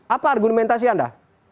apa argumentasi anda